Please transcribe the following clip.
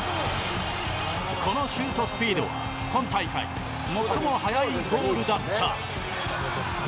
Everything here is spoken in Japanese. このシュートスピードは今大会、最も速いゴールだった。